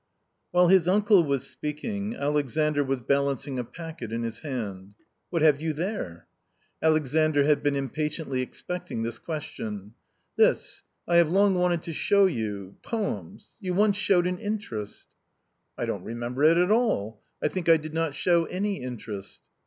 While his uncle was speaking Alexandr was balancing a packet in his hand. " What have you there ?" Alexandr had been impatiently expecting this question. " This — I have long wanted to show you .... poems ; you once showed an interest "" I don't remember it at all ; I think I did not show any interest."